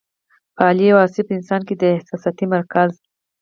پۀ عالي وصف انسان کې د احساساتي مرکز